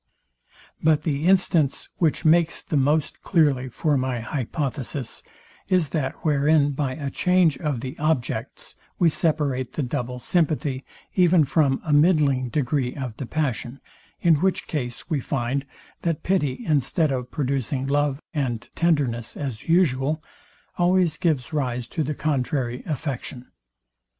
But the instance, which makes the most clearly for my hypothesis, is that wherein by a change of the objects we separate the double sympathy even from a midling degree of the passion; in which case we find, that pity, instead of producing love and tenderness as usual, always gives rise to the contrary affection.